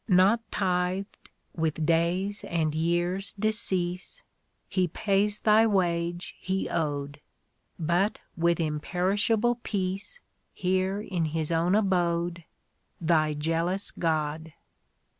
Not tithed with days' and years* decease He pays thy wage He owed, But with imperishable peace Here in His own abode, Thy jealous God.